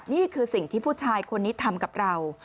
นี่คือสิ่งที่ผู้ชายคนนี้ทำกับเรา